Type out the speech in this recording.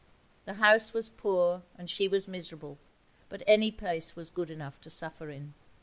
The house was poor, and she was miserable, but any place was good enough to suffer in.